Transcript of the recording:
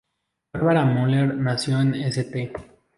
Barbara Müller nació en St.